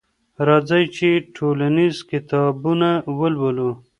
راځئ چي ټولنیز کتابونه ولولو.